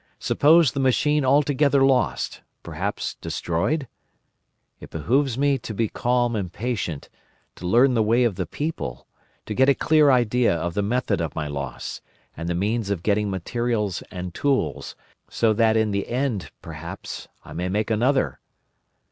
'Suppose the machine altogether lost—perhaps destroyed? It behoves me to be calm and patient, to learn the way of the people, to get a clear idea of the method of my loss, and the means of getting materials and tools; so that in the end, perhaps, I may make another.